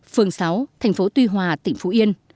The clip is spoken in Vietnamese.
phường sáu tp tuy hòa tỉnh phú yên